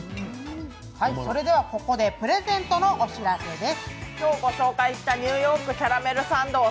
それではここでプレゼントのお知らせです。